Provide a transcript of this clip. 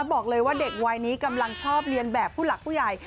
บอกเลยว่าเด็กวัยนี้กำลังชอบเรียนแบบผู้หลักผู้ใหญ่